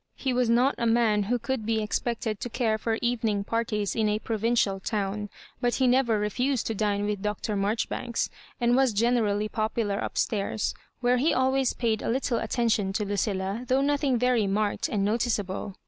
He was not a man who could be ex pected to care for evening parties in a provincial town; but he never refused to dine with Dr. Marjoribanks, and was g^enerally popular up stairs, where he always paid a little attention to Lucilla, though nothing very marked and notice? able.